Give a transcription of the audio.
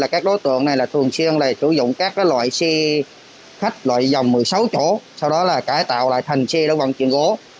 các đối tượng này thường xuyên sử dụng các loại xe khách loại dòng một mươi sáu chỗ sau đó là cải tạo lại thành xe để vận chuyển gỗ